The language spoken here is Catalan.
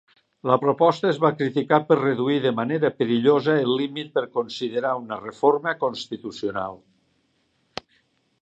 La proposta es va criticar per reduir de manera perillosa el límit per considerar una reforma constitucional.